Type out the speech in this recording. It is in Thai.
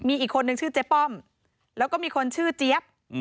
มีอีกคนนึงชื่อเจ๊ป้อมแล้วก็มีคนชื่อเจี๊ยบ